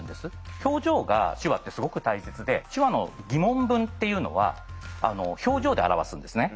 表情が手話ってすごく大切で手話の疑問文っていうのは表情で表すんですね。